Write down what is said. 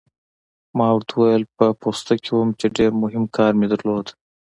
ما ورته وویل: په پوسته کې وم، چې ډېر مهم کار مې درلود.